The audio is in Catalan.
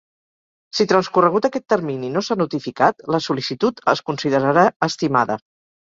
Si transcorregut aquest termini no s'ha notificat, la sol·licitud es considerarà estimada.